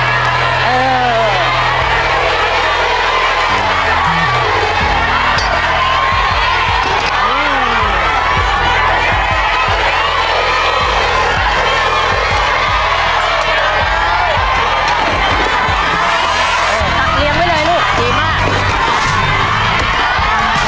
หลักเอียมไว้เลยลูกดีมาก